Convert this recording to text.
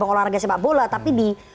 olahraga sepak bola tapi di